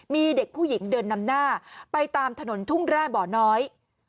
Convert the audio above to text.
มีเด็กผู้หญิงเดินนำหน้าไปตามถนนทุ่งแร่บ่อน้อย